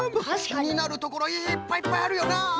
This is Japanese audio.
きになるところいっぱいいっぱいあるよな。